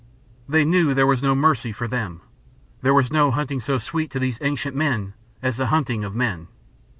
They knew there was no mercy for them. There was no hunting so sweet to these ancient men as the hunting of men.